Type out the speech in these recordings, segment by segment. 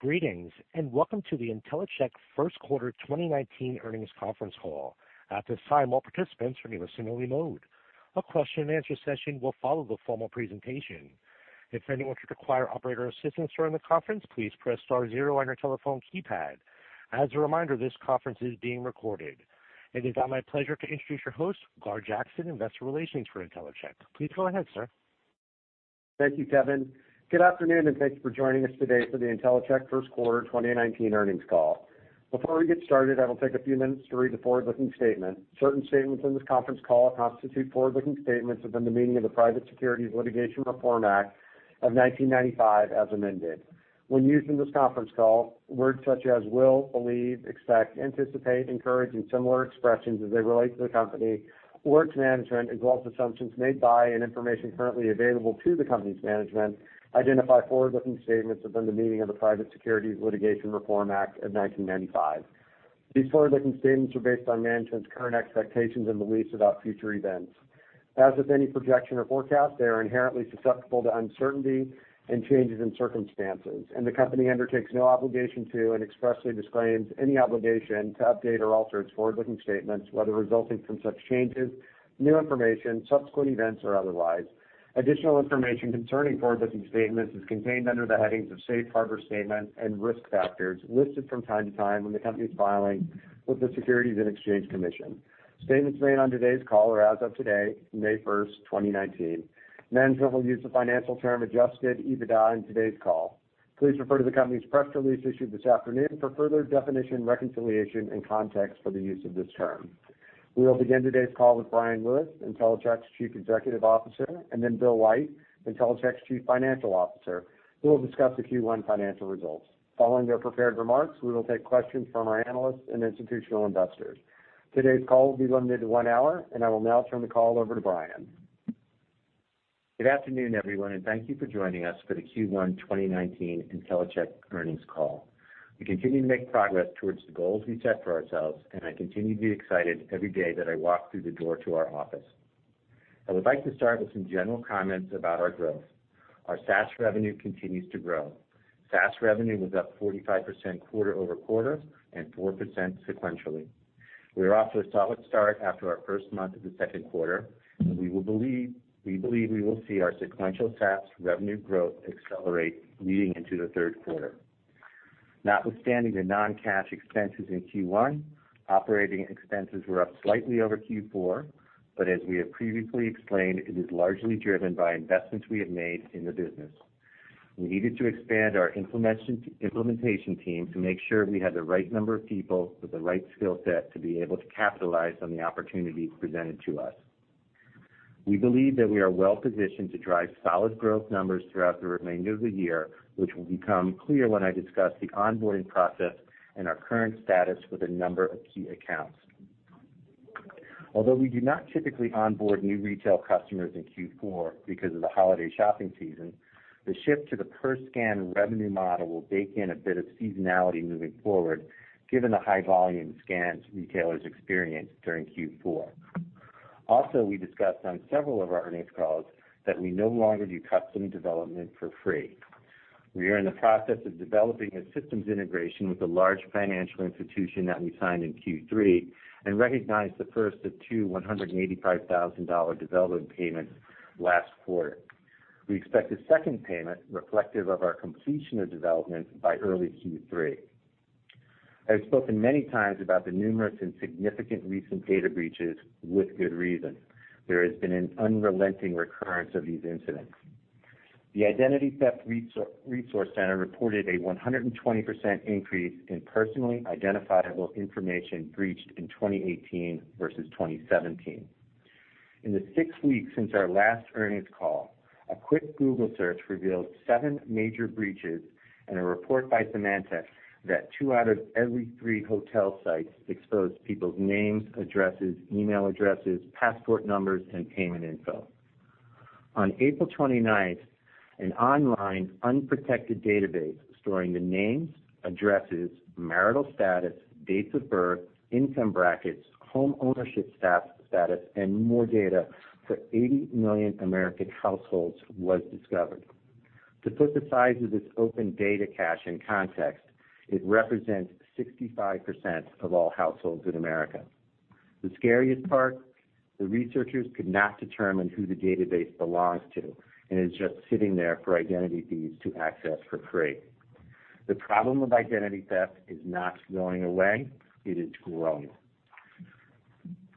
Greetings, and welcome to the Intellicheck First Quarter 2019 Earnings Conference Call. At this time, all participants are in a listen-only mode. A question-and-answer session will follow the formal presentation. If anyone should require operator assistance during the conference, please press star zero on your telephone keypad. As a reminder, this conference is being recorded. It is now my pleasure to introduce your host, Gar Jackson, Investor Relations for Intellicheck. Please go ahead, sir. Thank you, Kevin. Good afternoon, and thank you for joining us today for the Intellicheck First Quarter 2019 Earnings Call. Before we get started, I will take a few minutes to read the forward-looking statement. Certain statements in this conference call constitute forward-looking statements within the meaning of the Private Securities Litigation Reform Act of 1995, as amended. When used in this conference call, words such as will, believe, expect, anticipate, encourage, and similar expressions as they relate to the company or its management, as well as assumptions made by and information currently available to the company's management, identify forward-looking statements within the meaning of the Private Securities Litigation Reform Act of 1995. These forward-looking statements are based on management's current expectations and beliefs about future events. As with any projection or forecast, they are inherently susceptible to uncertainty and changes in circumstances, and the company undertakes no obligation to and expressly disclaims any obligation to update or alter its forward-looking statements, whether resulting from such changes, new information, subsequent events, or otherwise. Additional information concerning forward-looking statements is contained under the headings of safe harbor statement and risk factors, listed from time to time in the company's filing with the Securities and Exchange Commission. Statements made on today's call are, as of today, May 1st, 2019. Management will use the financial term Adjusted EBITDA in today's call. Please refer to the company's press release issued this afternoon for further definition, reconciliation, and context for the use of this term. We will begin today's call with Bryan Lewis, Intellicheck's Chief Executive Officer, and then Bill White, Intellicheck's Chief Financial Officer, who will discuss the Q1 financial results. Following their prepared remarks, we will take questions from our analysts and institutional investors. Today's call will be limited to one hour, and I will now turn the call over to Bryan. Good afternoon, everyone, and thank you for joining us for the Q1 2019 Intellicheck Earnings Call. We continue to make progress towards the goals we set for ourselves, and I continue to be excited every day that I walk through the door to our office. I would like to start with some general comments about our growth. Our SaaS revenue continues to grow. SaaS revenue was up 45% quarter over quarter and 4% sequentially. We are off to a solid start after our first month of the second quarter, and we believe we will see our sequential SaaS revenue growth accelerate leading into the third quarter. Notwithstanding the non-cash expenses in Q1, operating expenses were up slightly over Q4, but as we have previously explained, it is largely driven by investments we have made in the business. We needed to expand our implementation team to make sure we had the right number of people with the right skill set to be able to capitalize on the opportunities presented to us. We believe that we are well positioned to drive solid growth numbers throughout the remainder of the year, which will become clear when I discuss the onboarding process and our current status with a number of key accounts. Although we do not typically onboard new retail customers in Q4 because of the holiday shopping season, the shift to the per-scan revenue model will bake in a bit of seasonality moving forward, given the high volume scans retailers experienced during Q4. Also, we discussed on several of our earnings calls that we no longer do custom development for free. We are in the process of developing a systems integration with a large financial institution that we signed in Q3 and recognized the first of two $185,000 development payments last quarter. We expect a second payment reflective of our completion of development by early Q3. I have spoken many times about the numerous and significant recent data breaches, with good reason. There has been an unrelenting recurrence of these incidents. The Identity Theft Resource Center reported a 120% increase in personally identifiable information breached in 2018 versus 2017. In the six weeks since our last earnings call, a quick Google search revealed seven major breaches and a report by Symantec that two out of every three hotel sites exposed people's names, addresses, email addresses, passport numbers, and payment info. On April 29th, an online unprotected database storing the names, addresses, marital status, dates of birth, income brackets, homeownership status, and more data for 80 million American households was discovered. To put the size of this open data cache in context, it represents 65% of all households in America. The scariest part? The researchers could not determine who the database belongs to and is just sitting there for identity thieves to access for free. The problem of identity theft is not going away. It is growing.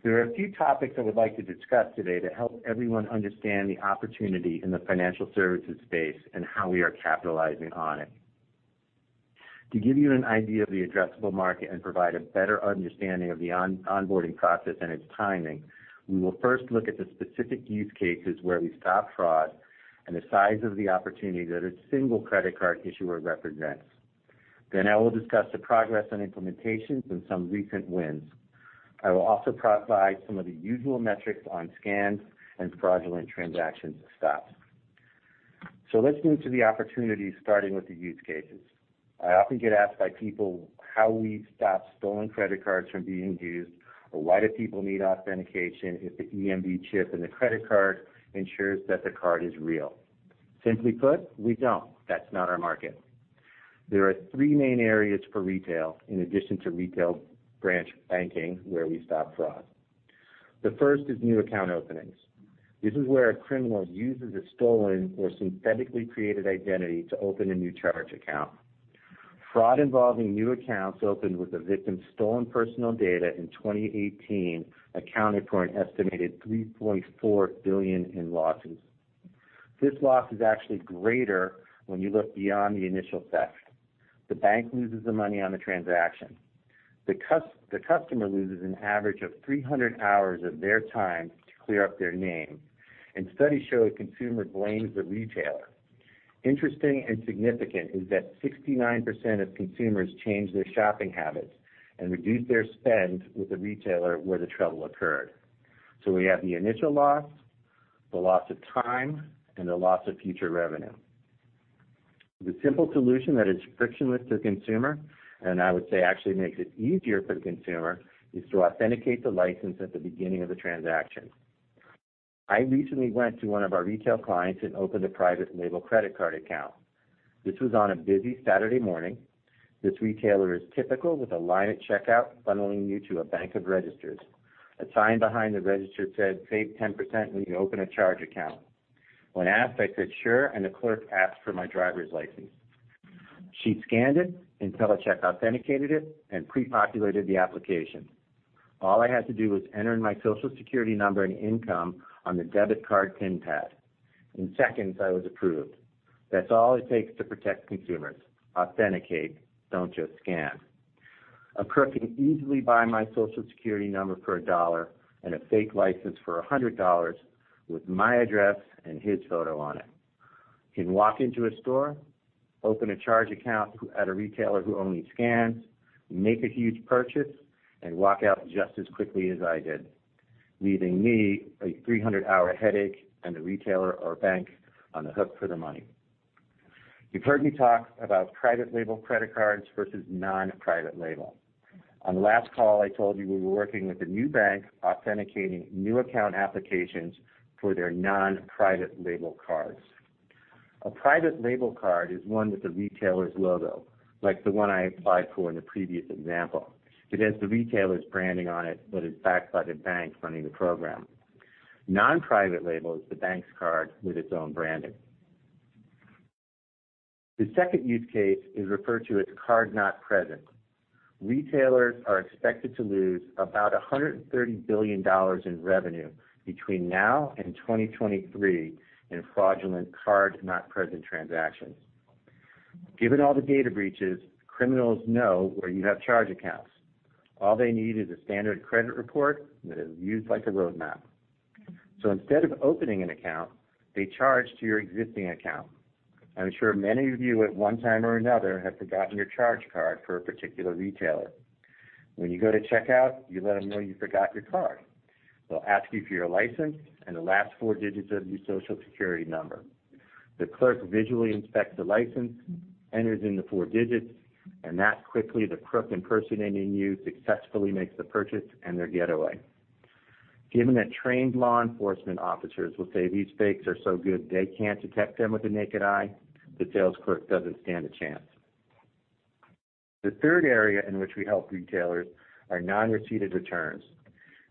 There are a few topics I would like to discuss today to help everyone understand the opportunity in the financial services space and how we are capitalizing on it. To give you an idea of the addressable market and provide a better understanding of the onboarding process and its timing, we will first look at the specific use cases where we stop fraud and the size of the opportunity that a single credit card issuer represents. Then I will discuss the progress on implementations and some recent wins. I will also provide some of the usual metrics on scans and fraudulent transactions stopped. So let's move to the opportunities, starting with the use cases. I often get asked by people how we stop stolen credit cards from being used or why do people need authentication if the EMV chip in the credit card ensures that the card is real. Simply put, we don't. That's not our market. There are three main areas for retail, in addition to retail branch banking, where we stop fraud. The first is new account openings. This is where a criminal uses a stolen or synthetically created identity to open a new charge account. Fraud involving new accounts opened with the victim's stolen personal data in 2018 accounted for an estimated $3.4 billion in losses. This loss is actually greater when you look beyond the initial theft. The bank loses the money on the transaction. The customer loses an average of 300 hours of their time to clear up their name, and studies show a consumer blames the retailer. Interesting and significant is that 69% of consumers change their shopping habits and reduce their spend with a retailer where the trouble occurred. So we have the initial loss, the loss of time, and the loss of future revenue. The simple solution that is frictionless to the consumer, and I would say actually makes it easier for the consumer, is to authenticate the license at the beginning of the transaction. I recently went to one of our retail clients and opened a private label credit card account. This was on a busy Saturday morning. This retailer is typical, with a line at checkout funneling you to a bank of registers. A sign behind the register said, "Save 10% when you open a charge account." When asked, I said, "Sure," and a clerk asked for my driver's license. She scanned it, Intellicheck authenticated it, and pre-populated the application. All I had to do was enter in my Social Security number and income on the debit card PIN pad. In seconds, I was approved. That's all it takes to protect consumers. Authenticate. Don't just scan. A clerk can easily buy my Social Security number for $1 and a fake license for $100 with my address and his photo on it. He can walk into a store, open a charge account at a retailer who only scans, make a huge purchase, and walk out just as quickly as I did, leaving me a 300-hour headache and the retailer or bank on the hook for the money. You've heard me talk about private label credit cards versus non-private label. On the last call, I told you we were working with a new bank authenticating new account applications for their non-private label cards. A private label card is one with the retailer's logo, like the one I applied for in the previous example. It has the retailer's branding on it but is backed by the bank funding the program. Non-private label is the bank's card with its own branding. The second use case is referred to as card not present. Retailers are expected to lose about $130 billion in revenue between now and 2023 in fraudulent card not present transactions. Given all the data breaches, criminals know where you have charge accounts. All they need is a standard credit report that is used like a roadmap. So instead of opening an account, they charge to your existing account. I'm sure many of you, at one time or another, have forgotten your charge card for a particular retailer. When you go to checkout, you let them know you forgot your card. They'll ask you for your license and the last four digits of your Social Security number. The clerk visually inspects the license, enters in the four digits, and that quickly the crook impersonating you successfully makes the purchase and their getaway. Given that trained law enforcement officers will say these fakes are so good they can't detect them with the naked eye, the sales clerk doesn't stand a chance. The third area in which we help retailers are non-receipted returns.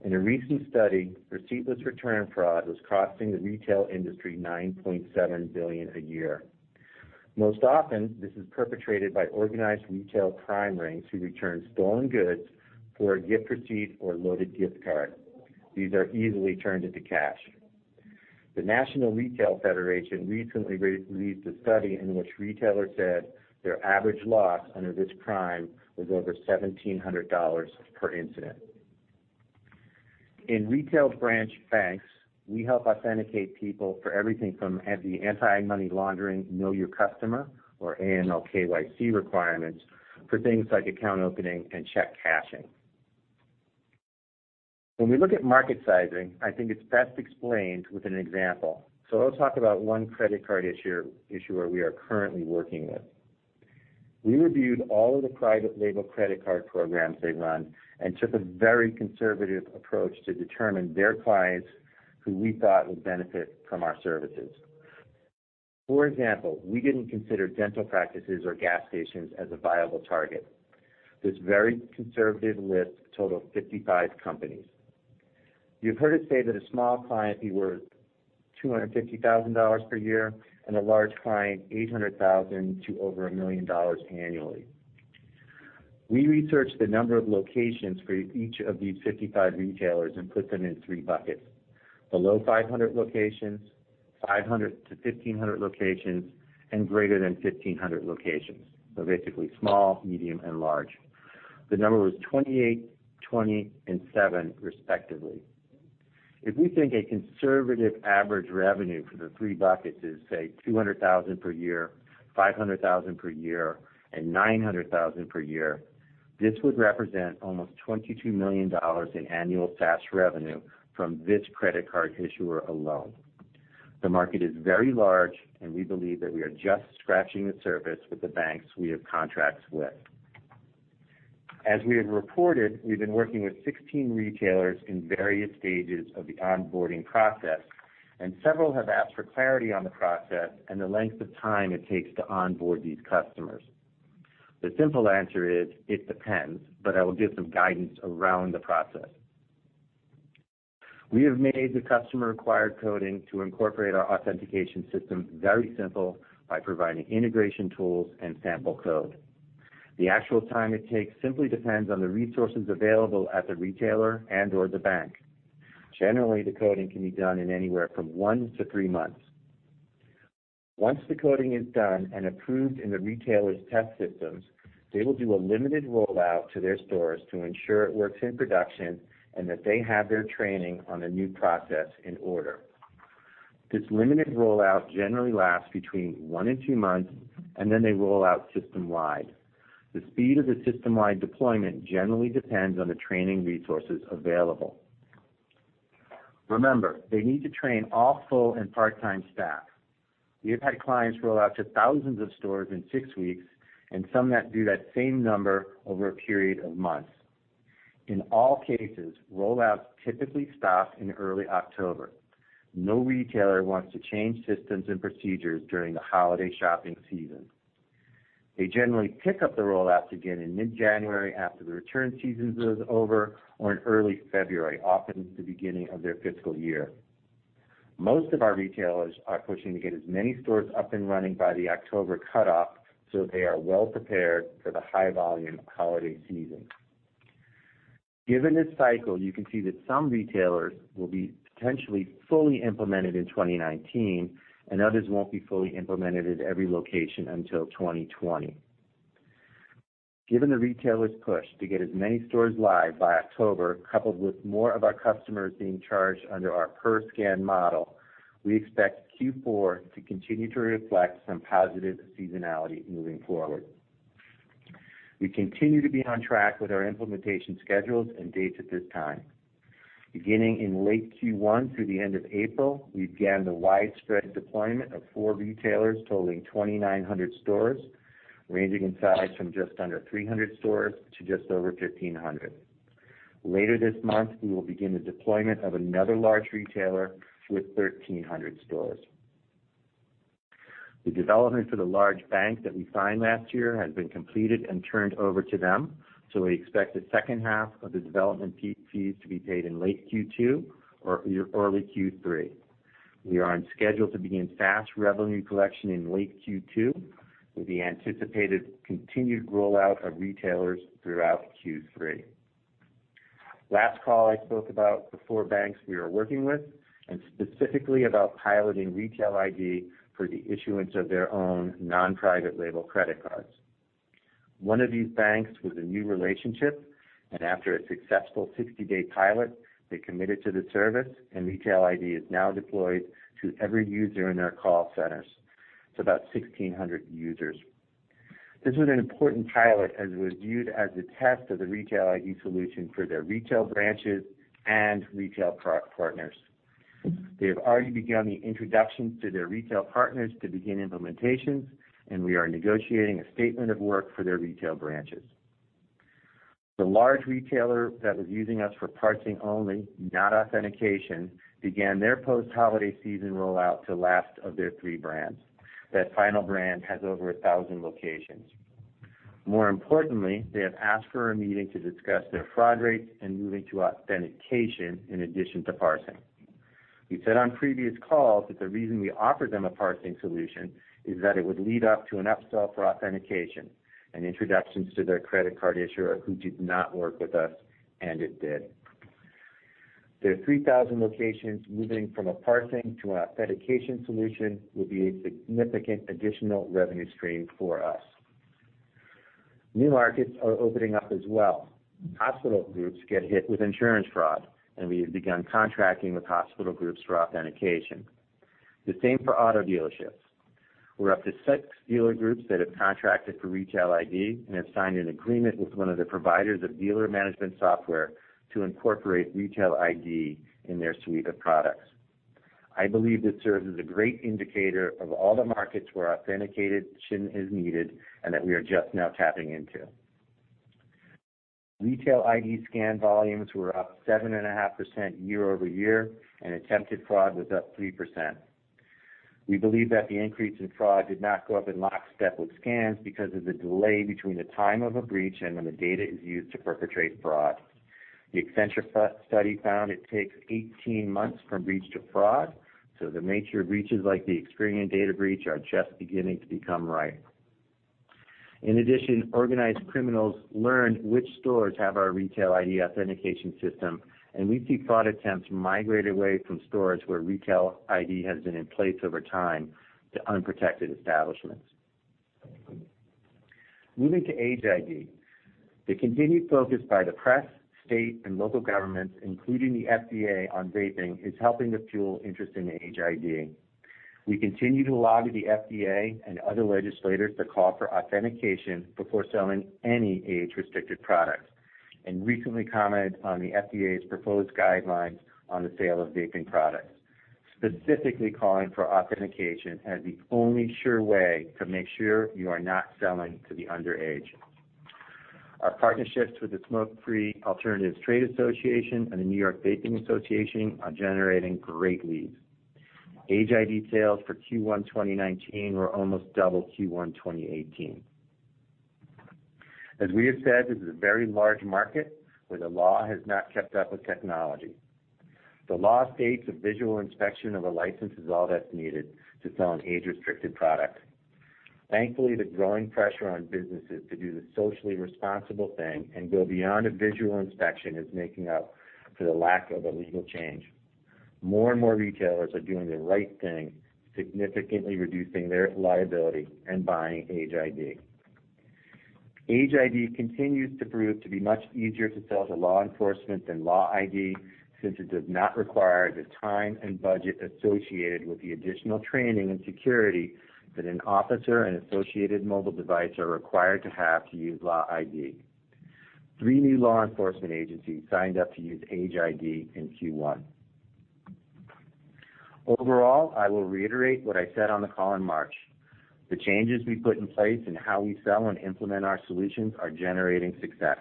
In a recent study, receiptless return fraud was costing the retail industry $9.7 billion a year. Most often, this is perpetrated by organized retail crime rings who return stolen goods for a gift receipt or loaded gift card. These are easily turned into cash. The National Retail Federation recently released a study in which retailers said their average loss under this crime was over $1,700 per incident. In retail branch banks, we help authenticate people for everything from the anti-money laundering Know Your Customer or AML KYC requirements for things like account opening and check cashing. When we look at market sizing, I think it's best explained with an example. So I'll talk about one credit card issue where we are currently working with. We reviewed all of the private label credit card programs they run and took a very conservative approach to determine their clients who we thought would benefit from our services. For example, we didn't consider dental practices or gas stations as a viable target. This very conservative list totaled 55 companies. You've heard us say that a small client could work $250,000 per year and a large client $800,000 to over $1 million annually. We researched the number of locations for each of these 55 retailers and put them in three buckets: below 500 locations, 500-1,500 locations, and greater than 1,500 locations. So basically small, medium, and large. The number was 28, 20, and 7, respectively. If we think a conservative average revenue for the three buckets is, say, $200,000 per year, $500,000 per year, and $900,000 per year, this would represent almost $22 million in annual SaaS revenue from this credit card issuer alone. The market is very large, and we believe that we are just scratching the surface with the banks we have contracts with. As we have reported, we've been working with 16 retailers in various stages of the onboarding process, and several have asked for clarity on the process and the length of time it takes to onboard these customers. The simple answer is it depends, but I will give some guidance around the process. We have made the customer-required coding to incorporate our authentication system very simple by providing integration tools and sample code. The actual time it takes simply depends on the resources available at the retailer and/or the bank. Generally, the coding can be done in anywhere from one to three months. Once the coding is done and approved in the retailer's test systems, they will do a limited rollout to their stores to ensure it works in production and that they have their training on the new process in order. This limited rollout generally lasts between one and two months, and then they roll out system-wide. The speed of the system-wide deployment generally depends on the training resources available. Remember, they need to train all full and part-time staff. We have had clients roll out to thousands of stores in six weeks and some that do that same number over a period of months. In all cases, rollouts typically stop in early October. No retailer wants to change systems and procedures during the holiday shopping season. They generally pick up the rollouts again in mid-January after the return season is over or in early February, often at the beginning of their fiscal year. Most of our retailers are pushing to get as many stores up and running by the October cutoff so they are well prepared for the high-volume holiday season. Given this cycle, you can see that some retailers will be potentially fully implemented in 2019, and others won't be fully implemented at every location until 2020. Given the retailers' push to get as many stores live by October, coupled with more of our customers being charged under our per-scan model, we expect Q4 to continue to reflect some positive seasonality moving forward. We continue to be on track with our implementation schedules and dates at this time. Beginning in late Q1 through the end of April, we began the widespread deployment of four retailers totaling 2,900 stores, ranging in size from just under 300 stores to just over 1,500. Later this month, we will begin the deployment of another large retailer with 1,300 stores. The development for the large bank that we signed last year has been completed and turned over to them, so we expect the second half of the development fees to be paid in late Q2 or early Q3. We are on schedule to begin SaaS revenue collection in late Q2 with the anticipated continued rollout of retailers throughout Q3. Last call, I spoke about the four banks we are working with and specifically about piloting Retail ID for the issuance of their own non-private label credit cards. One of these banks was a new relationship, and after a successful 60-day pilot, they committed to the service, and Retail ID is now deployed to every user in their call centers. It's about 1,600 users. This was an important pilot as it was viewed as a test of the Retail ID solution for their retail branches and retail partners. They have already begun the introduction to their retail partners to begin implementations, and we are negotiating a statement of work for their retail branches. The large retailer that was using us for parsing only, not authentication, began their post-holiday season rollout to last of their three brands. That final brand has over 1,000 locations. More importantly, they have asked for a meeting to discuss their fraud rates and moving to authentication in addition to parsing. We said on previous calls that the reason we offered them a parsing solution is that it would lead up to an upsell for authentication and introductions to their credit card issuer who did not work with us, and it did. Their 3,000 locations moving from a parsing to an authentication solution will be a significant additional revenue stream for us. New markets are opening up as well. Hospital groups get hit with insurance fraud, and we have begun contracting with hospital groups for authentication. The same for auto dealerships. We're up to six dealer groups that have contracted for Retail ID and have signed an agreement with one of the providers of dealer management software to incorporate Retail ID in their suite of products. I believe this serves as a great indicator of all the markets where authentication is needed and that we are just now tapping into. Retail ID scan volumes were up 7.5% year-over-year, and attempted fraud was up 3%. We believe that the increase in fraud did not go up in lockstep with scans because of the delay between the time of a breach and when the data is used to perpetrate fraud. The Accenture study found it takes 18 months from breach to fraud, so the nature of breaches like the Experian data breach are just beginning to become right. In addition, organized criminals learned which stores have our Retail ID authentication system, and we see fraud attempts migrate away from stores where Retail ID has been in place over time to unprotected establishments. Moving to Age ID. The continued focus by the press, state, and local governments, including the FDA on vaping, is helping to fuel interest in Age ID. We continue to lobby the FDA and other legislators to call for authentication before selling any age-restricted products and recently commented on the FDA's proposed guidelines on the sale of vaping products, specifically calling for authentication as the only sure way to make sure you are not selling to the underage. Our partnerships with the Smoke-Free Alternatives Trade Association and the New York Vaping Association are generating great leads. Age ID sales for Q1 2019 were almost double Q1 2018. As we have said, this is a very large market where the law has not kept up with technology. The law states a visual inspection of a license is all that's needed to sell an age-restricted product. Thankfully, the growing pressure on businesses to do the socially responsible thing and go beyond a visual inspection is making up for the lack of a legal change. More and more retailers are doing the right thing, significantly reducing their liability and buying Age ID. Age ID continues to prove to be much easier to sell to law enforcement than Law ID since it does not require the time and budget associated with the additional training and security that an officer and associated mobile device are required to have to use Law ID. Three new law enforcement agencies signed up to use Age ID in Q1. Overall, I will reiterate what I said on the call in March. The changes we put in place and how we sell and implement our solutions are generating success.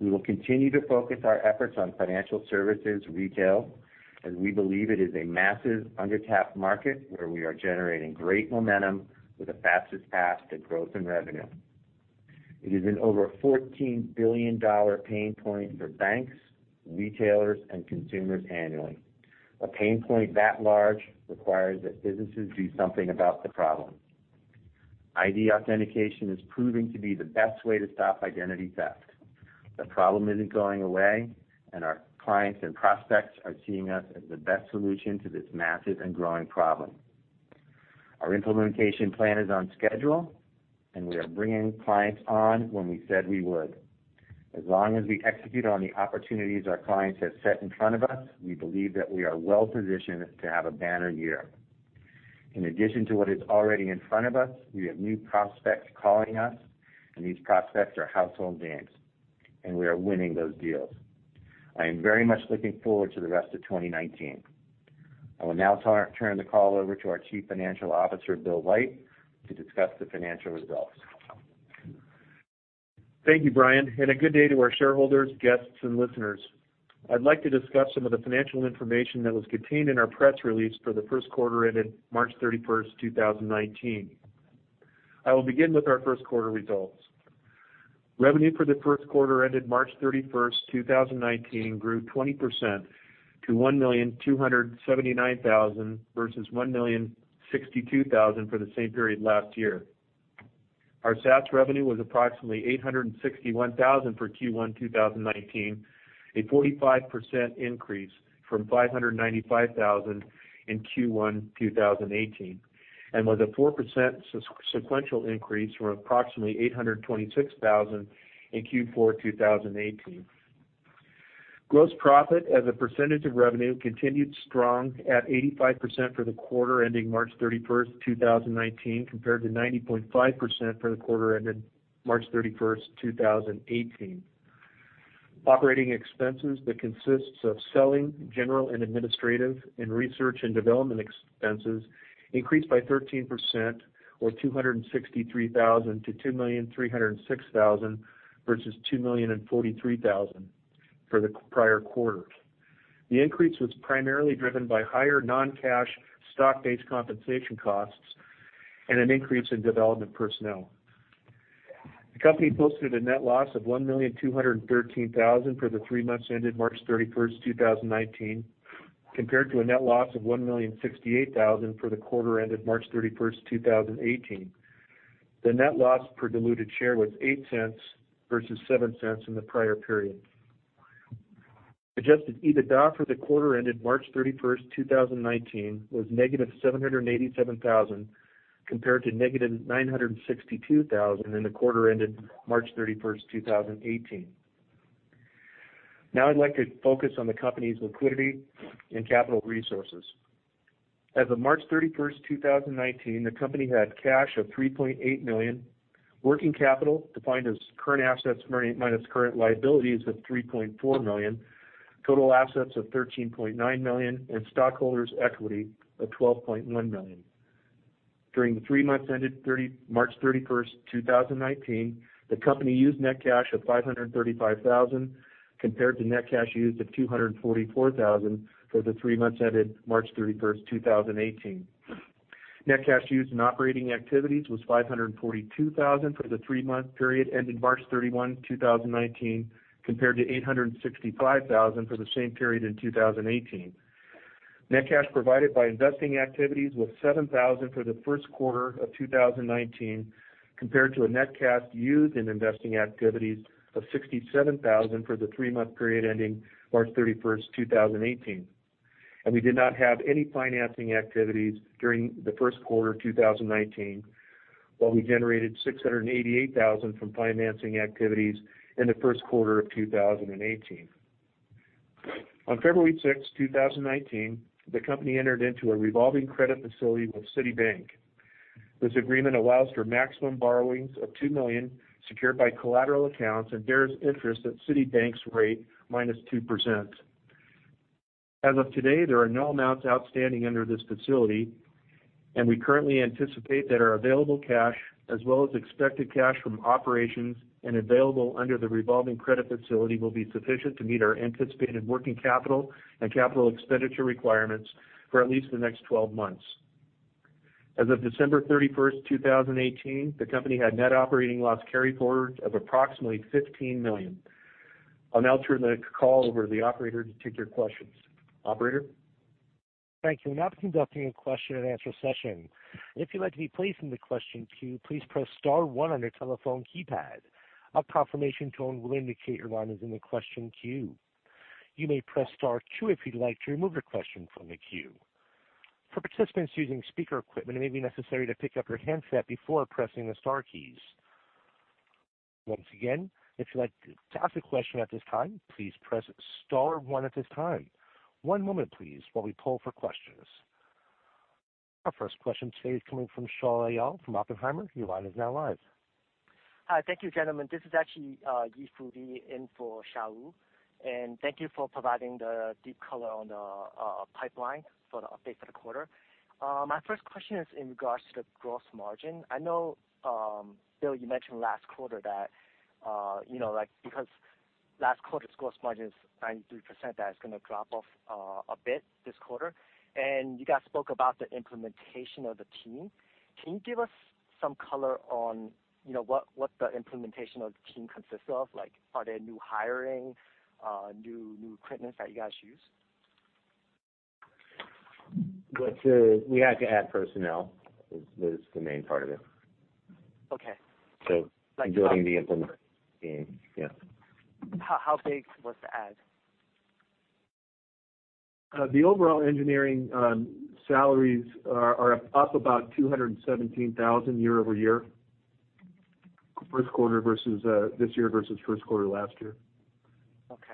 We will continue to focus our efforts on financial services retail as we believe it is a massive undertapped market where we are generating great momentum with the fastest path to growth and revenue. It is an over $14 billion pain point for banks, retailers, and consumers annually. A pain point that large requires that businesses do something about the problem. ID authentication is proving to be the best way to stop identity theft. The problem isn't going away, and our clients and prospects are seeing us as the best solution to this massive and growing problem. Our implementation plan is on schedule, and we are bringing clients on when we said we would. As long as we execute on the opportunities our clients have set in front of us, we believe that we are well positioned to have a banner year. In addition to what is already in front of us, we have new prospects calling us, and these prospects are household names, and we are winning those deals. I am very much looking forward to the rest of 2019. I will now turn the call over to our Chief Financial Officer, Bill White, to discuss the financial results. Thank you, Bryan, and a good day to our shareholders, guests, and listeners. I'd like to discuss some of the financial information that was contained in our press release for the first quarter ended March 31st, 2019. I will begin with our first quarter results. Revenue for the first quarter ended March 31st, 2019, grew 20% to $1,279,000 versus $1,062,000 for the same period last year. Our SaaS revenue was approximately $861,000 for Q1 2019, a 45% increase from $595,000 in Q1 2018, and was a 4% sequential increase from approximately $826,000 in Q4 2018. Gross profit as a percentage of revenue continued strong at 85% for the quarter ending March 31st, 2019, compared to 90.5% for the quarter ended March 31st, 2018. Operating expenses that consist of selling, general and administrative, and research and development expenses increased by 13%, or $263,000 to $2,306,000 versus $2,043,000 for the prior quarter. The increase was primarily driven by higher non-cash stock-based compensation costs and an increase in development personnel. The company posted a net loss of $1,213,000 for the three months ended March 31st, 2019, compared to a net loss of $1,068,000 for the quarter ended March 31st, 2018. The net loss per diluted share was $0.08 versus $0.07 in the prior period. Adjusted EBITDA for the quarter ended March 31st, 2019, was negative $787,000 compared to negative $962,000 in the quarter ended March 31st, 2018. Now, I'd like to focus on the company's liquidity and capital resources. As of March 31st, 2019, the company had cash of $3.8 million, working capital defined as current assets minus current liabilities of $3.4 million, total assets of $13.9 million, and stockholders' equity of $12.1 million. During the three months ended March 31st, 2019, the company used net cash of $535,000 compared to net cash used of $244,000 for the three months ended March 31st, 2018. Net cash used in operating activities was $542,000 for the three-month period ended March 31st, 2019, compared to $865,000 for the same period in 2018. Net cash provided by investing activities was $7,000 for the first quarter of 2019 compared to a net cash used in investing activities of $67,000 for the three-month period ending March 31st, 2018. We did not have any financing activities during the first quarter of 2019, while we generated $688,000 from financing activities in the first quarter of 2018. On February 6th, 2019, the company entered into a revolving credit facility with Citibank. This agreement allows for maximum borrowings of $2 million secured by collateral accounts and bears interest at Citibank's rate minus 2%. As of today, there are no amounts outstanding under this facility, and we currently anticipate that our available cash, as well as expected cash from operations and available under the revolving credit facility, will be sufficient to meet our anticipated working capital and capital expenditure requirements for at least the next 12 months. As of December 31st, 2018, the company had net operating loss carry forward of approximately $15 million. I'll now turn the call over to the operator to take your questions. Operator? Thank you. Now, we're conducting a question-and-answer session. If you'd like to be placed in the question queue, please press star one on your telephone keypad. A confirmation tone will indicate your line is in the question queue. You may press star two if you'd like to remove your question from the queue. For participants using speaker equipment, it may be necessary to pick up your handset before pressing the star keys. Once again, if you'd like to ask a question at this time, please press star one at this time. One moment, please, while we pull for questions. Our first question today is coming from Yi Fu Li from Oppenheimer. Your line is now live. Hi. Thank you, gentlemen. This is actually Yi Fu Li in for Xiao Wu, and thank you for providing the deep color on the pipeline for the update for the quarter. My first question is in regards to the gross margin. I know, Bill, you mentioned last quarter that because last quarter's gross margin is 93%, that it's going to drop off a bit this quarter. And you guys spoke about the implementation of the team. Can you give us some color on what the implementation of the team consists of? Are there new hiring, new equipment that you guys use? We had to add personnel. That is the main part of it. So building the implementation team, yeah. How big was the add? The overall engineering salaries are up about $217,000 year over year, first quarter versus this year versus first quarter last year. Okay.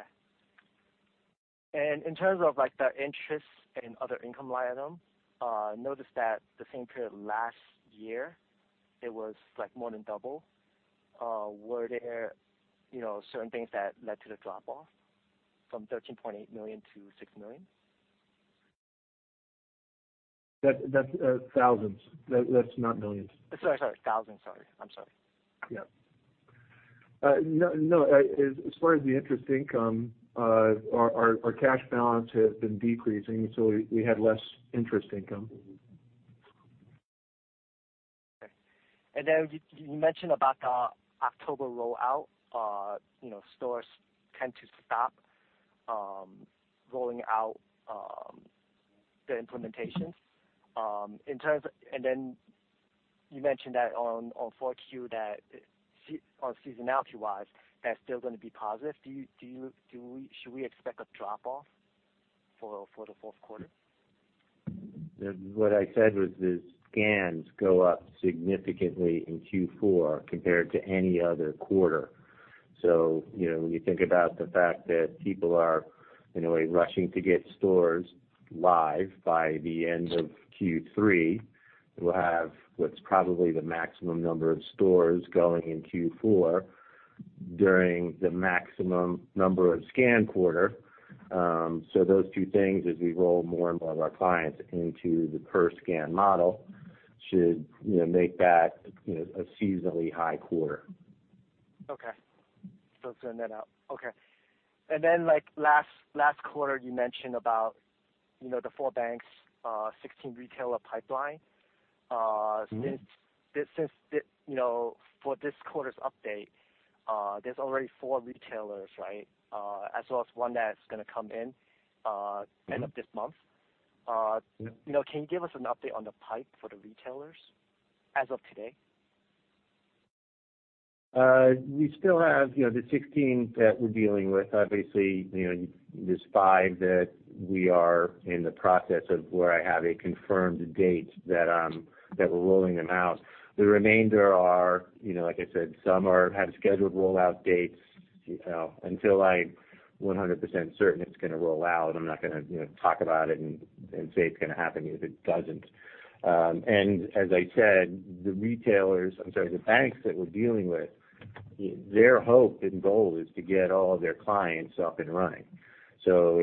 And in terms of the interest and other income items, notice that the same period last year, it was more than double. Were there certain things that led to the drop-off from $13.8 million to $6 million? That's thousands. That's not millions. Sorry, sorry. Thousands. Sorry. I'm sorry. Yeah. No, as far as the interest income, our cash balance has been decreasing, so we had less interest income. Okay. And then you mentioned about the October rollout. Stores tend to stop rolling out their implementations and then you mentioned that in Q4, that on seasonality-wise, that's still going to be positive. Should we expect a drop-off for the fourth quarter? What I said was the scans go up significantly in Q4 compared to any other quarter, so when you think about the fact that people are in a way rushing to get stores live by the end of Q3, we'll have what's probably the maximum number of stores going in Q4 during the maximum number of scan quarter. So those two things, as we roll more and more of our clients into the per-scan model, should make that a seasonally high quarter. Okay, so it's going to be up. Okay, and then last quarter, you mentioned about the four banks, 16-retailer pipeline. Since for this quarter's update, there's already four retailers, right, as well as one that's going to come in end of this month. Can you give us an update on the pipe for the retailers as of today? We still have the 16 that we're dealing with. Obviously, there's five that we are in the process of where I have a confirmed date that we're rolling them out. The remainder are, like I said, some have scheduled rollout dates. Until I'm 100% certain it's going to roll out, I'm not going to talk about it and say it's going to happen if it doesn't. And as I said, the retailers, I'm sorry, the banks that we're dealing with, their hope and goal is to get all of their clients up and running. So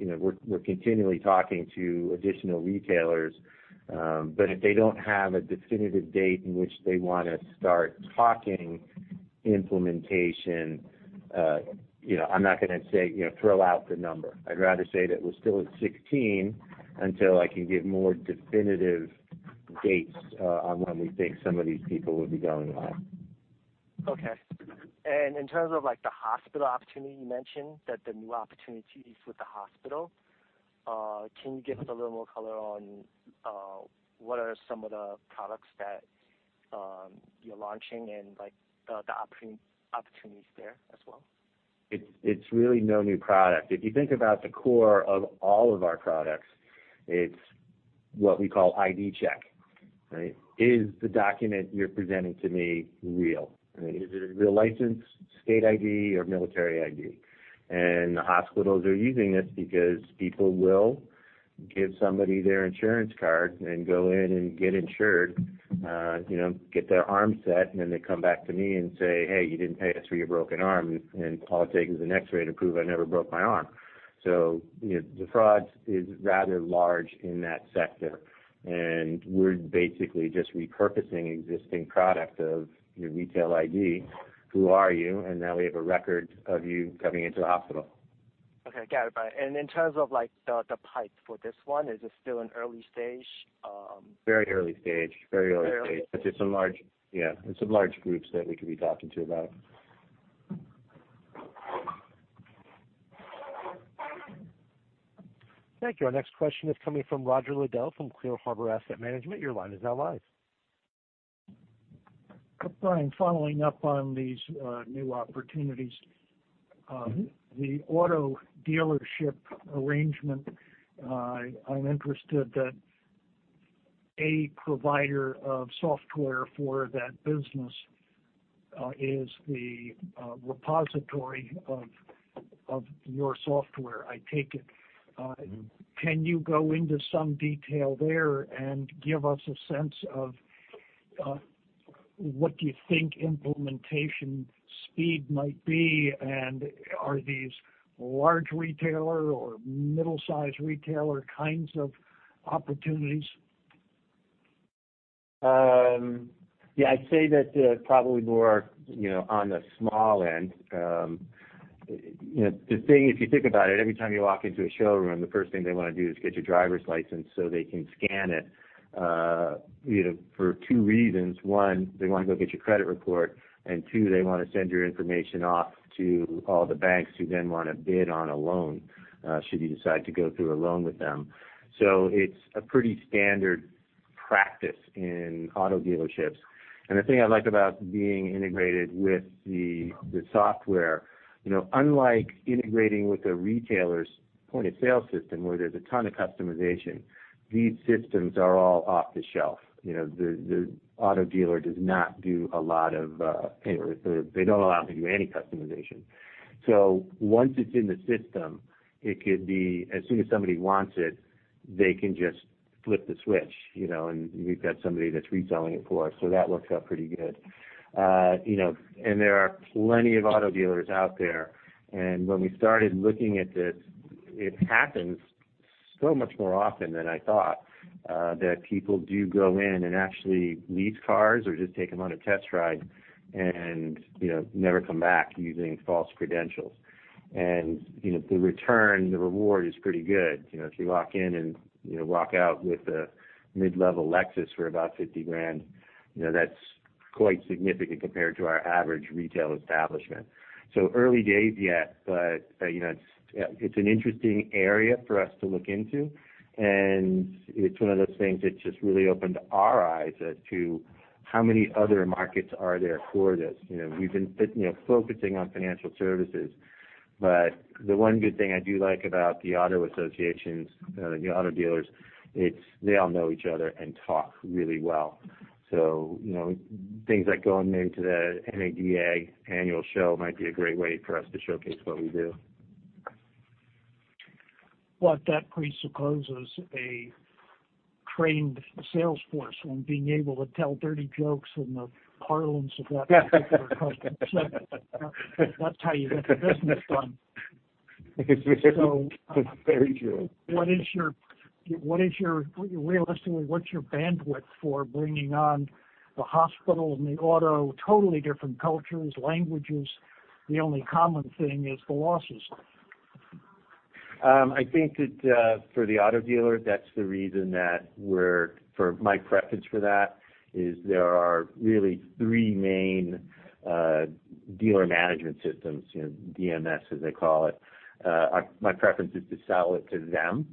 we're continually talking to additional retailers. But if they don't have a definitive date in which they want to start talking implementation, I'm not going to say throw out the number. I'd rather say that we're still at 16 until I can give more definitive dates on when we think some of these people will be going live. Okay. And in terms of the hospital opportunity, you mentioned that the new opportunities with the hospital. Can you give us a little more color on what are some of the products that you're launching and the opportunities there as well? It's really no new product. If you think about the core of all of our products, it's what we call ID Check, right? Is the document you're presenting to me real? Is it a real license, state ID, or military ID? And the hospitals are using this because people will give somebody their insurance card and go in and get insured, get their arm set, and then they come back to me and say, "Hey, you didn't pay us for your broken arm," and all it takes is an X-ray to prove I never broke my arm. So the fraud is rather large in that sector. And we're basically just repurposing existing product of Retail ID. Who are you? And now we have a record of you coming into the hospital. Okay. Got it. And in terms of the pipe for this one, is it still an early stage? Very early stage. Very early stage. But there's some large, yeah. It's some large groups that we could be talking to about. Thank you. Our next question is coming from Roger Liddell from Clear Harbor Asset Management. Your line is now live. Brian, following up on these new opportunities. The auto dealership arrangement, I'm interested that a provider of software for that business is the repository of your software, I take it. Can you go into some detail there and give us a sense of what do you think implementation speed might be, and are these large retailer or middle-sized retailer kinds of opportunities? Yeah. I'd say that probably more on the small end. The thing, if you think about it, every time you walk into a showroom, the first thing they want to do is get your driver's license so they can scan it for two reasons. One, they want to go get your credit report. And two, they want to send your information off to all the banks who then want to bid on a loan should you decide to go through a loan with them. So it's a pretty standard practice in auto dealerships. And the thing I like about being integrated with the software, unlike integrating with a retailer's point of sale system where there's a ton of customization, these systems are all off the shelf. The auto dealer does not do a lot of. They don't allow them to do any customization. So once it's in the system, it could be as soon as somebody wants it, they can just flip the switch. And we've got somebody that's reselling it for us, so that works out pretty good. And there are plenty of auto dealers out there. And when we started looking at this, it happens so much more often than I thought that people do go in and actually lease cars or just take them on a test ride and never come back using false credentials. The return, the reward is pretty good. If you walk in and walk out with a mid-level Lexus for about $50,000, that's quite significant compared to our average retail establishment. So early days yet, but it's an interesting area for us to look into. And it's one of those things that just really opened our eyes as to how many other markets are there for this. We've been focusing on financial services. But the one good thing I do like about the auto associations, the auto dealers, it's they all know each other and talk really well. So things like going maybe to the NADA annual show might be a great way for us to showcase what we do. Well, that presupposes a trained salesforce and being able to tell dirty jokes in the parlance of that particular company. So that's how you get the business done. It's very true. What is your realistically, what's your bandwidth for bringing on the hospital and the auto? Totally different cultures, languages. The only common thing is the losses. I think that for the auto dealer, that's the reason that we're, my preference for that is there are really three main dealer management systems, DMS as they call it. My preference is to sell it to them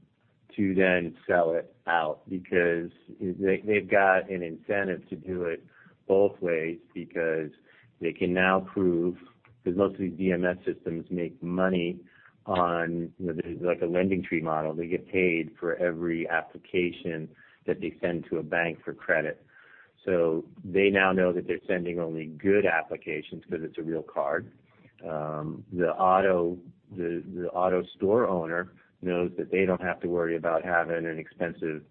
to then sell it out because they've got an incentive to do it both ways because they can now prove because most of these DMS systems make money on, there's like a LendingTree model. They get paid for every application that they send to a bank for credit. So they now know that they're sending only good applications because it's a real card. The auto store owner knows that they don't have to worry about having an expensive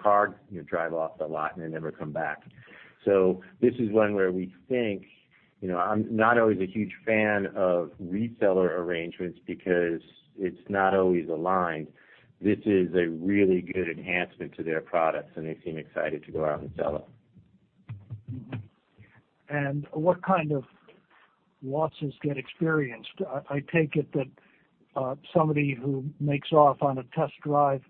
car drive off the lot and then never come back. So this is one where we think. I'm not always a huge fan of reseller arrangements because it's not always aligned. This is a really good enhancement to their products, and they seem excited to go out and sell it. And what kind of losses get experienced? I take it that somebody who makes off on a test drive,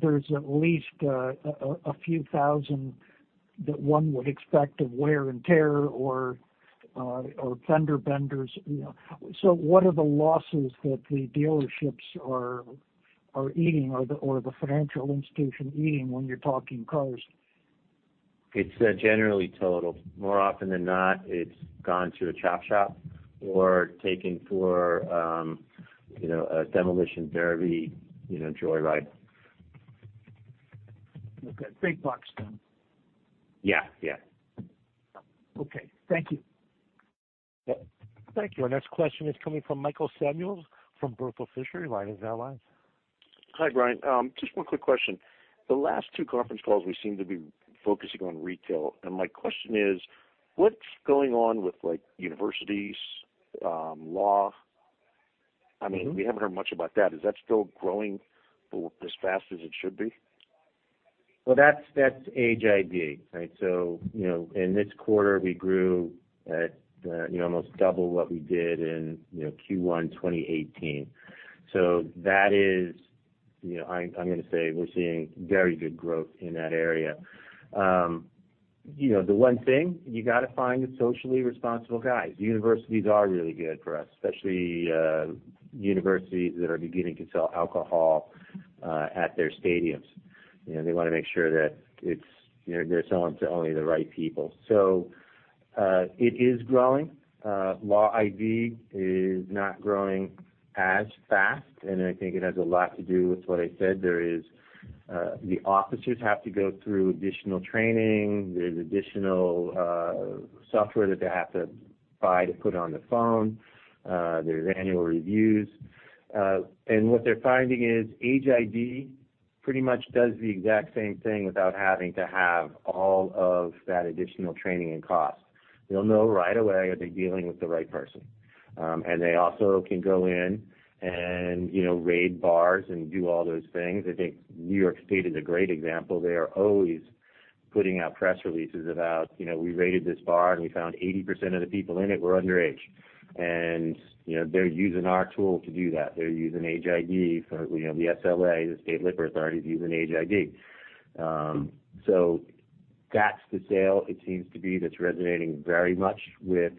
there's at least a few thousand that one would expect of wear and tear or fender benders. So what are the losses that the dealerships are eating or the financial institution eating when you're talking cars? It's generally totaled. More often than not, it's gone to a chop shop or taken for a demolition derby, Joyride. Okay. Big bucks then. Yeah. Yeah. Okay. Thank you. Thank you. Our next question is coming from Michael Samuels from Berthel Fisher. Line is now live. Hi, Bryan. Just one quick question. The last two conference calls, we seem to be focusing on retail. And my question is, what's going on with universities, law? I mean, we haven't heard much about that. Is that still growing as fast as it should be? Well, that's Age ID, right? So in this quarter, we grew at almost double what we did in Q1 2018. So that is, I'm going to say, we're seeing very good growth in that area. The one thing, you got to find the socially responsible guys. Universities are really good for us, especially universities that are beginning to sell alcohol at their stadiums. They want to make sure that they're selling to only the right people. So it is growing. Law ID is not growing as fast. I think it has a lot to do with what I said. The officers have to go through additional training. There's additional software that they have to buy to put on the phone. There's annual reviews. What they're finding is Age ID pretty much does the exact same thing without having to have all of that additional training and cost. They'll know right away if they're dealing with the right person. They also can go in and raid bars and do all those things. New York State is a great example. They are always putting out press releases about, "We raided this bar, and we found 80% of the people in it were underage." They're using our tool to do that. They're using Age ID for the SLA. The State Liquor Authority is using Age ID. So that's the SaaS, it seems to be. That's resonating very much with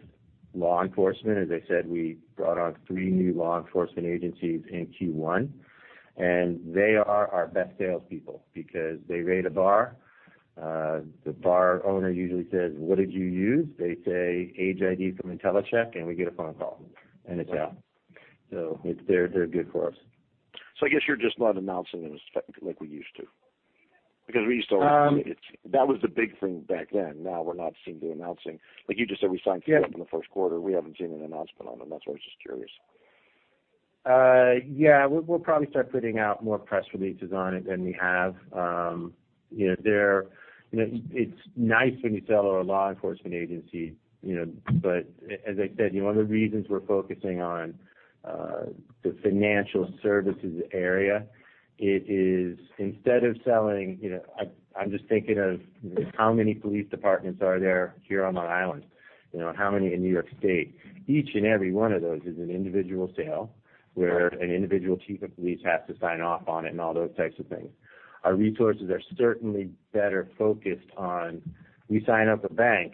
law enforcement. As I said, we brought on three new law enforcement agencies in Q1, and they are our best salespeople because they raid a bar. The bar owner usually says, "What did you use?" They say, "Age ID from Intellicheck," and we get a phone call, and it's out. So they're good for us. So I guess you're just not announcing them as like we used to. Because we used to always see that was the big thing back then. Now we're not seeing the announcing. Like you just said, we signed people up in the first quarter. We haven't seen an announcement on them. That's why I was just curious. Yeah. We'll probably start putting out more press releases on it than we have. It's nice when you sell to a law enforcement agency. But as I said, one of the reasons we're focusing on the financial services area, it is instead of selling. I'm just thinking of how many police departments are there here on our island? How many in New York State? Each and every one of those is an individual sale where an individual chief of police has to sign off on it and all those types of things. Our resources are certainly better focused on. We sign up a bank.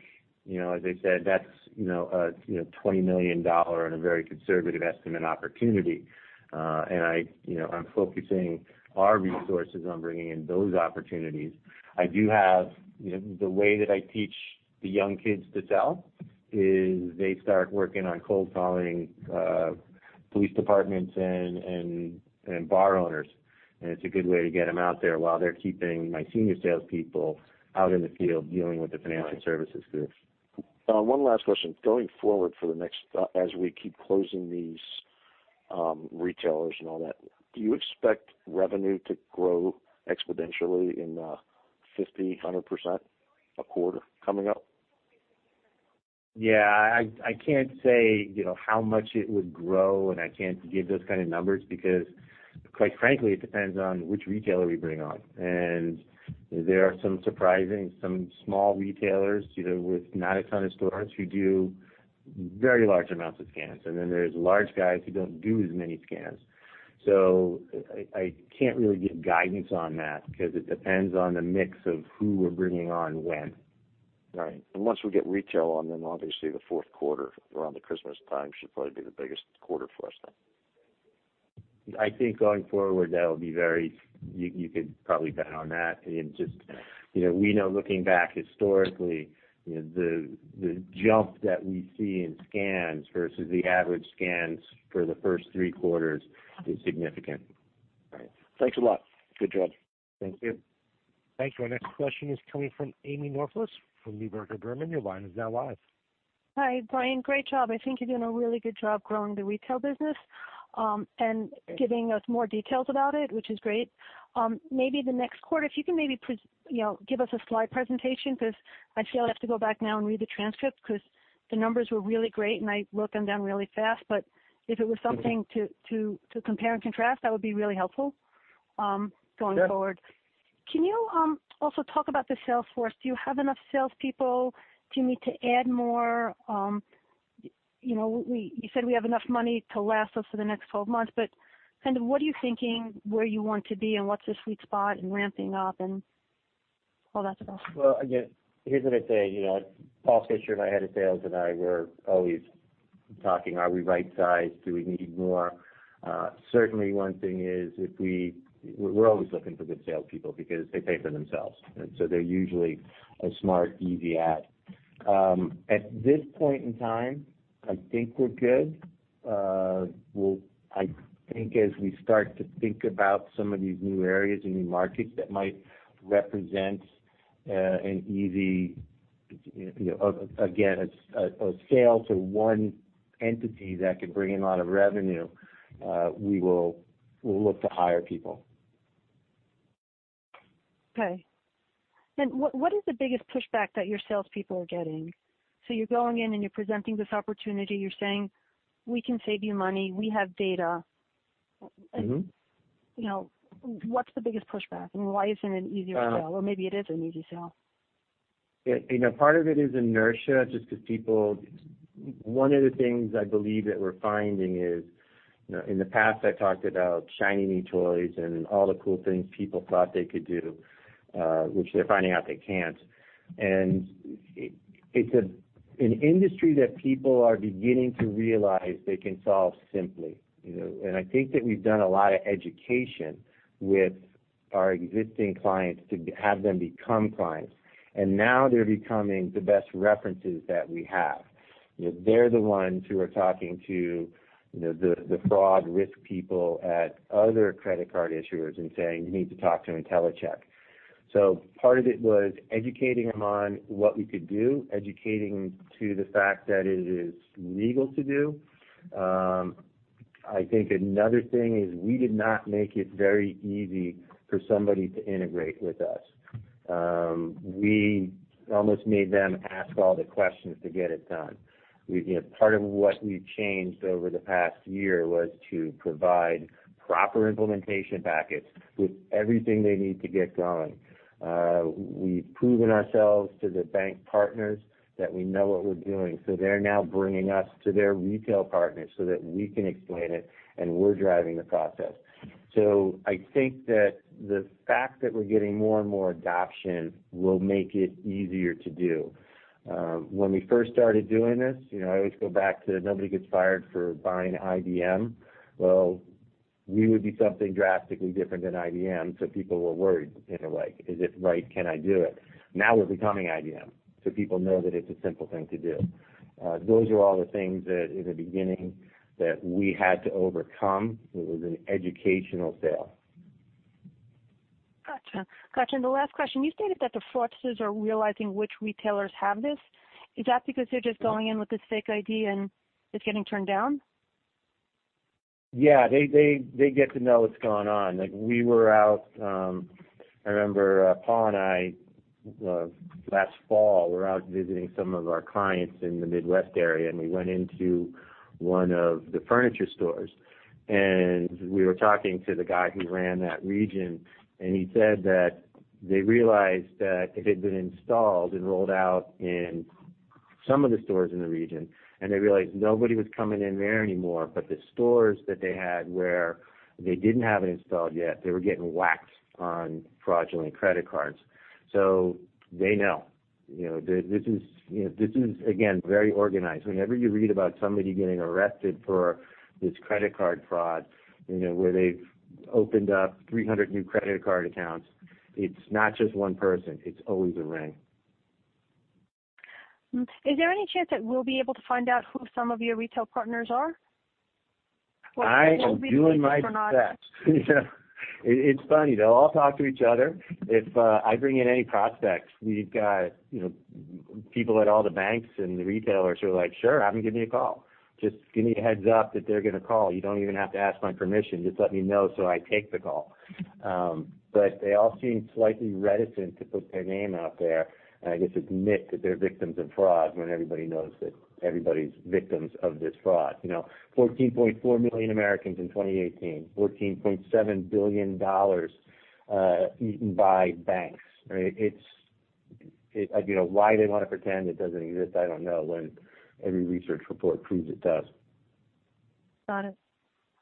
As I said, that's a $20 million and a very conservative estimate opportunity. And I'm focusing our resources on bringing in those opportunities. I do have the way that I teach the young kids to sell is they start working on cold-calling police departments and bar owners. It's a good way to get them out there while they're keeping my senior salespeople out in the field dealing with the financial services groups. One last question. Going forward for the next—as we keep closing these retailers and all that, do you expect revenue to grow exponentially in 50%-100% a quarter coming up? Yeah. I can't say how much it would grow, and I can't give those kind of numbers because, quite frankly, it depends on which retailer we bring on. And there are some surprising, some small retailers with not a ton of stores who do very large amounts of scans. And then there's large guys who don't do as many scans. So I can't really give guidance on that because it depends on the mix of who we're bringing on when. Right. Once we get retail on them, obviously, the fourth quarter around the Christmas time should probably be the biggest quarter for us then. I think going forward, that will be very - you could probably bet on that. And just we know, looking back historically, the jump that we see in scans versus the average scans for the first three quarters is significant. Right. Thanks a lot. Good job. Thank you. Thanks. Our next question is coming from Amy Norflus from Neuberger Berman. Your line is now live. Hi, Bryan. Great job. I think you're doing a really good job growing the retail business and giving us more details about it, which is great. Maybe the next quarter, if you can maybe give us a slide presentation because I still have to go back now and read the transcript because the numbers were really great, and I wrote them down really fast. But if it was something to compare and contrast, that would be really helpful going forward. Can you also talk about the salesforce? Do you have enough salespeople? Do you need to add more? You said we have enough money to last us for the next 12 months. But kind of what are you thinking, where you want to be, and what's the sweet spot and ramping up and all that stuff? Well, again, here's what I'd say. Paul Fisher and I had a sales and I were always talking, "Are we right sized? Do we need more? Certainly, one thing is we're always looking for good salespeople because they pay for themselves. And so they're usually a smart, easy add. At this point in time, I think we're good. I think as we start to think about some of these new areas and new markets that might represent an easy, again, a sale to one entity that can bring in a lot of revenue, we will look to hire people. Okay. And what is the biggest pushback that your salespeople are getting? So you're going in and you're presenting this opportunity. You're saying, "We can save you money. We have data." What's the biggest pushback? And why isn't it an easier sale? Or maybe it is an easy sale. Part of it is inertia just because people, one of the things I believe that we're finding is in the past, I talked about shiny new toys and all the cool things people thought they could do, which they're finding out they can't. And it's an industry that people are beginning to realize they can solve simply. And I think that we've done a lot of education with our existing clients to have them become clients. And now they're becoming the best references that we have. They're the ones who are talking to the fraud risk people at other credit card issuers and saying, "You need to talk to Intellicheck." So part of it was educating them on what we could do, educating to the fact that it is legal to do. I think another thing is we did not make it very easy for somebody to integrate with us. We almost made them ask all the questions to get it done. Part of what we changed over the past year was to provide proper implementation packets with everything they need to get going. We've proven ourselves to the bank partners that we know what we're doing. So they're now bringing us to their retail partners so that we can explain it, and we're driving the process. So I think that the fact that we're getting more and more adoption will make it easier to do. When we first started doing this, I always go back to nobody gets fired for buying IBM. Well, we would be something drastically different than IBM. So people were worried in a way, "Is it right? Can I do it?" Now we're becoming IBM. So people know that it's a simple thing to do. Those are all the things that in the beginning that we had to overcome. It was an educational sale. Gotcha. Gotcha. And the last question, you stated that the fraudsters are realizing which retailers have this. Is that because they're just going in with this fake ID and it's getting turned down? Yeah. They get to know what's going on. We were out. I remember Paul and I last fall, we were out visiting some of our clients in the Midwest area, and we went into one of the furniture stores. And we were talking to the guy who ran that region, and he said that they realized that it had been installed and rolled out in some of the stores in the region. And they realized nobody was coming in there anymore. But the stores that they had where they didn't have it installed yet, they were getting whacked on fraudulent credit cards. So they know. This is, again, very organized. Whenever you read about somebody getting arrested for this credit card fraud where they've opened up 300 new credit card accounts, it's not just one person. It's always a ring. Is there any chance that we'll be able to find out who some of your retail partners are? Or if you know retailers or not? I'm doing my best. Yeah. It's funny. They'll all talk to each other. If I bring in any prospects, we've got people at all the banks and the retailers who are like, "Sure. Have them give me a call. Just give me a heads up that they're going to call. You don't even have to ask my permission. Just let me know so I take the call." But they all seem slightly reticent to put their name out there and, I guess, admit that they're victims of fraud when everybody knows that everybody's victims of this fraud. 14.4 million Americans in 2018. $14.7 billion eaten by banks. Right? It's why they want to pretend it doesn't exist, I don't know when every research report proves it does. Got it.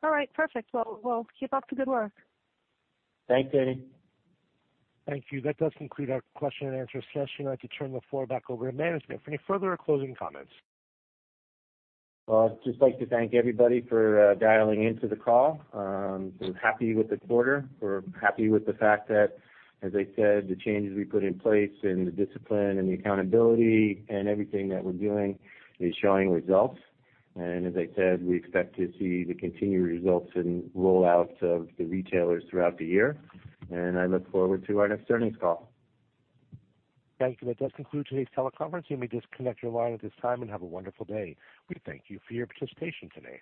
All right. Perfect. Well, we'll keep up the good work. Thanks, Amy. Thank you. That does conclude our question and answer session. I'd like to turn the floor back over to management for any further or closing comments. Well, I'd just like to thank everybody for dialing into the call. We're happy with the quarter. We're happy with the fact that, as I said, the changes we put in place and the discipline and the accountability and everything that we're doing is showing results. And as I said, we expect to see the continued results and rollout of the retailers throughout the year. And I look forward to our next earnings call. Thank you. That does conclude today's teleconference. You may disconnect your line at this time and have a wonderful day. We thank you for your participation today.